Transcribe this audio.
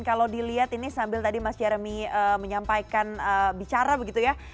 kalau dilihat ini sambil tadi mas jeremy menyampaikan bicara begitu ya